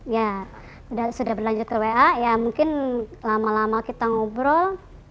ya sudah berlanjut ke wa ya mungkin lama lama kita ngobrol